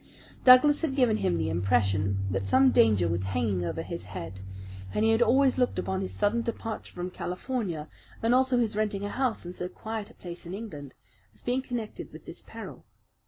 Douglas had given him the impression that some danger was hanging over his head, and he had always looked upon his sudden departure from California, and also his renting a house in so quiet a place in England, as being connected with this peril.